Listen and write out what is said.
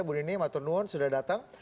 bu nini maturnuun sudah datang